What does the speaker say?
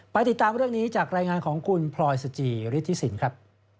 ติดตามเรื่องนี้จากรายงานของคุณพลอยสจิฤทธิสินครับ